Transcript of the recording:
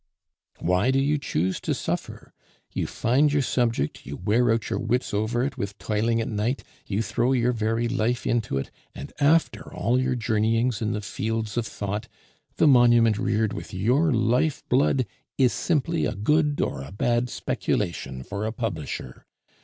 "Why do you choose to suffer? You find your subject, you wear out your wits over it with toiling at night, you throw your very life into it: and after all your journeyings in the fields of thought, the monument reared with your life blood is simply a good or a bad speculation for a publisher.